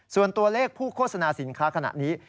ส่วนตัวเลขผู้โฆษณาสินค้าขณะนี้